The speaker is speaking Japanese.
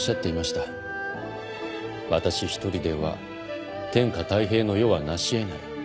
「私一人では天下泰平の世はなし得ない」